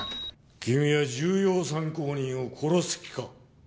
君は重要参考人を殺す気か。